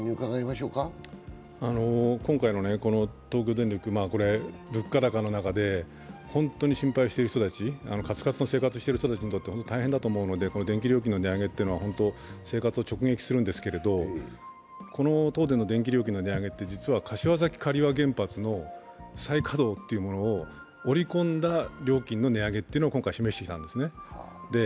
今回の東京電力、物価高の中で本当に心配してる人たち、カツカツの生活をしている人たちにとっては大変だと思うのでこの電気料金の値上げというのは生活を直撃するんですけれど、この東電の電気料金の値上げって柏崎刈羽原発の再稼働というものを織り込んだ料金の値上げを出してきたんです。